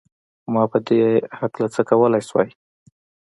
ما په دې هکله څه کولای شول؟